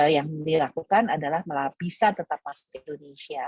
yang dilakukan adalah bisa tetap masuk ke indonesia